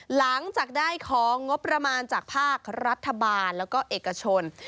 หลังจากได้ของงบประมาณจากภาครัฐบาลแล้วก็เอกชน